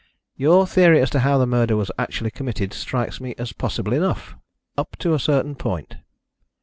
"Your theory as to how the murder was actually committed strikes me as possible enough up to a certain point.